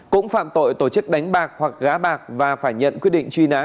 cũng phạm tội tổ chức đánh bạc hoặc gá bạc và phải nhận quyết định truy nã